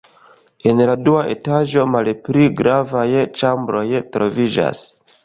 En la dua etaĝo malpli gravaj ĉambroj troviĝas.